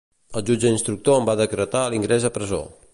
El jutge instructor en va decretar l'ingrés a presó.